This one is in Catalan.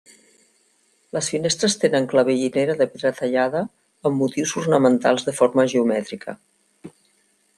Les finestres tenen clavellinera de pedra tallada amb motius ornamentals de forma geomètrica.